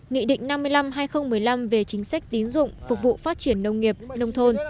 nghị định năm mươi năm hai nghìn một mươi năm về chính sách tín dụng phục vụ phát triển nông nghiệp nông thôn